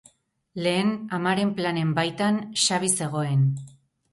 Lehen, amaren planen baitan Xabi zegoen.